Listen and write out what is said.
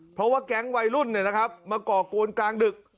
เพราะว่าแก๊งวัยรุ่นมาก่อกวนกลางดึก